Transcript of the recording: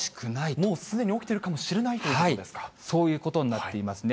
もうすでに起きているかもしそういうことになっていますね。